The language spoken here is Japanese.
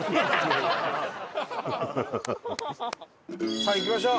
さあ行きましょう！